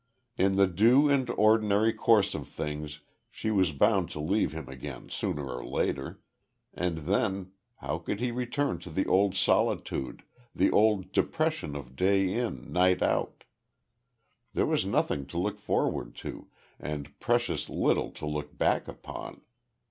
In the due and ordinary course of things she was bound to leave him again sooner or later and then, how could he return to the old solitude, the old depression of day in, night out? There was nothing to look forward to, and precious little to look back upon.